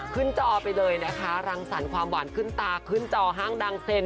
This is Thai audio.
จอไปเลยนะคะรังสรรค์ความหวานขึ้นตาขึ้นจอห้างดังเซ็น